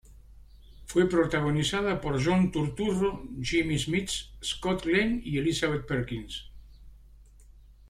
Fue protagonizada por John Turturro, Jimmy Smits, Scott Glenn y Elizabeth Perkins.